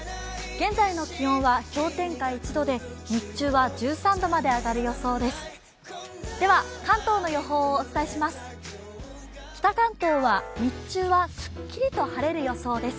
現在の気温は氷点下１度で日中は１３度まで上がる予想です。